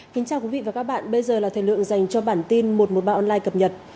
kính chào quý vị và các bạn bây giờ là thời lượng dành cho bản tin một trăm một mươi ba online cập nhật